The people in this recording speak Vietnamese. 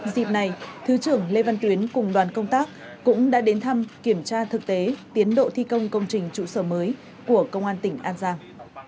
dịp này thứ trưởng lê văn tuyến cùng đoàn công tác cũng đã đến thăm kiểm tra thực tế tiến độ thi công công trình trụ sở mới của công an tỉnh an giang